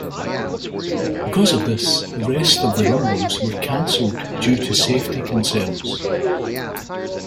Because of this, the rest of the rumbles were canceled due to safety concerns.